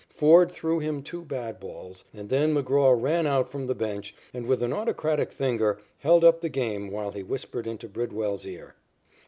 Ford threw him two bad balls, and then McGraw ran out from the bench, and, with an autocratic finger, held up the game while he whispered into Bridwell's ear.